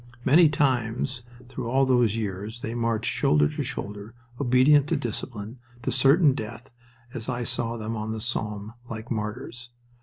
Many times through all those years they marched shoulder to shoulder, obedient to discipline, to certain death, as I saw them on the Somme, like martyrs.